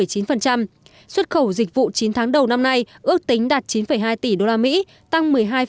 xuất khẩu dịch vụ chín tháng đầu năm nay ước tính đạt chín hai tỷ đô la mỹ tăng một mươi hai tám